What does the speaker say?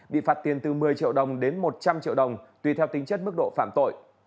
bị phạt tiền từ một mươi triệu đồng đến một trăm linh triệu đồng tùy theo tính chất mức độ phạm tội